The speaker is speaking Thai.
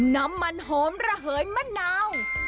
น้ำมันหอมระเหยมะนาว